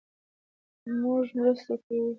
مونږ مرسته کوو